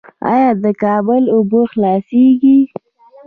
آیا د کابل اوبه خلاصیږي؟